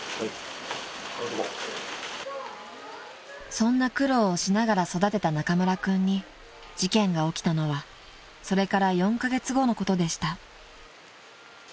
［そんな苦労をしながら育てた中村君に事件が起きたのはそれから４カ月後のことでした］